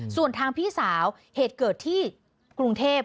ส่วนทางพี่สาวเหตุเกิดที่กรุงเทพ